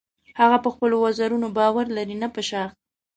هغه په خپلو وزرونو باور لري نه په شاخ.